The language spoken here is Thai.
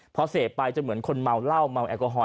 พอเสพไปจะเหมือนคนเมาเหล้าเมาแอลกอฮอล